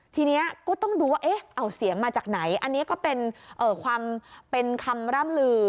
ทีนี้ก็ต้องดูว่าเอ๊ะเอาเสียงมาจากไหนอันนี้ก็เป็นความเป็นคำร่ำลือ